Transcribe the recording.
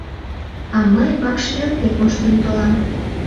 — А мый вакш велке коштын толам.